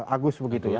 agus begitu ya